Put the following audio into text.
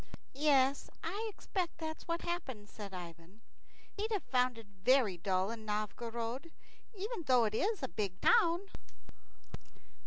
"Yes, I expect that's what happened," said Ivan. "He'd have found it very dull in Novgorod, even though it is a big town."